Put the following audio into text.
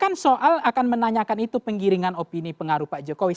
kan soal akan menanyakan itu penggiringan opini pengaruh pak jokowi